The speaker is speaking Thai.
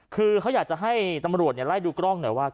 คือเขาอยากจะให้ตำรวจไล่ดูกล้องหน่อยว่า